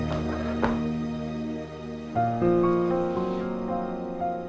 terima kasih mas